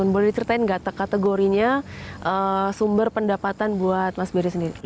boleh diceritain kategorinya sumber pendapatan buat mas bari sendiri